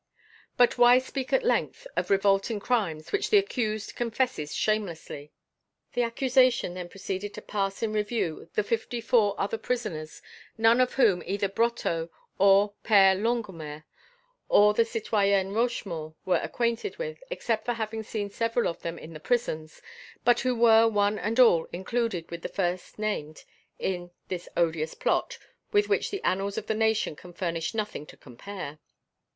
But why speak at length of revolting crimes which the accused confesses shamelessly...?" The accusation then proceeded to pass in review the fifty four other prisoners, none of whom either Brotteaux, or the Père Longuemare, or the citoyenne Rochemaure, were acquainted with, except for having seen several of them in the prisons, but who were one and all included with the first named in "this odious plot, with which the annals of the nation can furnish nothing to compare."